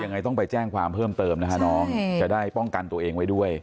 ยังไงต้องไปแจ้งความเพิ่มเติมนะคะน้องจะได้ป้องกันตัวเองไว้ด้วย